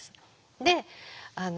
であの